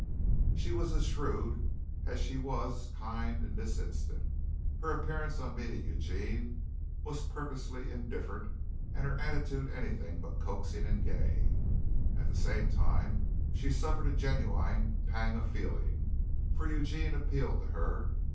She was as shrewd as she was kind in this instance. Her appearance on meeting Eugene was purposely indifferent and her attitude anything but coaxing and gay. At the same time she suffered a genuine pang of feeling, for Eugene appealed to her.